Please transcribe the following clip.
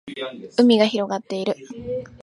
海が広がっている